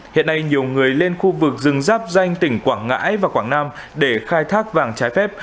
hiện nay nhiều người lên khu vực rừng giáp danh tỉnh quảng ngãi và quảng nam để khai thác vàng trái phép